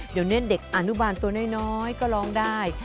เดี๋ยวนี้เด็กอนุบาลตัวน้อยก็ร้องได้